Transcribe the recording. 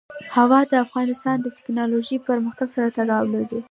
هوا د افغانستان د تکنالوژۍ پرمختګ سره تړاو لري.